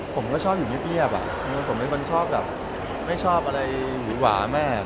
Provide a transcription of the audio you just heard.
ผมก็ชอบอยู่เงียบผมเป็นคนชอบแบบไม่ชอบอะไรหวีหวามาก